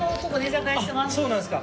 △そうなんですか。